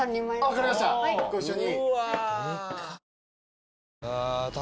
分かりましたご一緒に。